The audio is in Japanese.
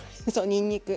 にんにく。